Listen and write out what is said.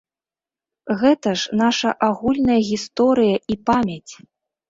Гэта ж наша агульная гісторыя і памяць!